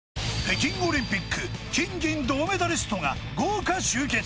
北京オリンピック金銀銅メダリストが豪華集結！